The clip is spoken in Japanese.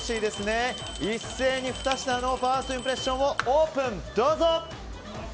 一斉に２品のファーストインプレッションをオープン。